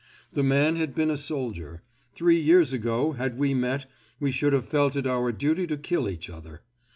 The man had been a soldier. Three years ago, had we met, we should have felt it our duty to kill each other.